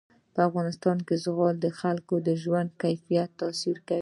په افغانستان کې زغال د خلکو د ژوند په کیفیت تاثیر کوي.